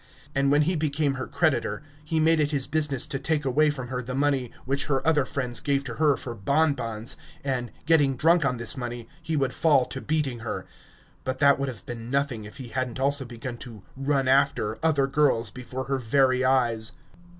And when he became her creditor he made it his business to take away from her the money which her other friends gave to her for bonbons, and, getting drunk on this money, he would fall to beating her; but that would have been nothing if he hadn't also begun to "run after" other girls before her very eyes.